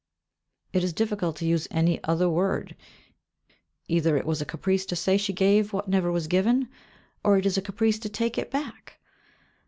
It is difficult to use any other word either it was a caprice to say she gave what never was given, or it is a caprice to take it back.